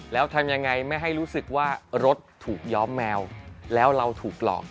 แล้วทำยังไงไม่ให้รู้สึกว่ารถถูกย้อมแมวแล้วเราถูกหลอก